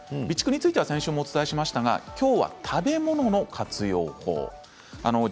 備蓄については先週もお伝えしましたがきょうは食べ物の活用法です。